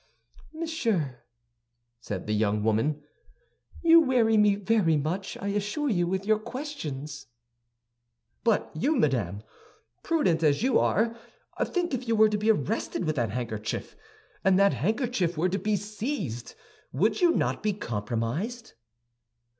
"Monsieur," said the young woman, "you weary me very much, I assure you, with your questions." "But you, madame, prudent as you are, think, if you were to be arrested with that handkerchief, and that handkerchief were to be seized, would you not be compromised?"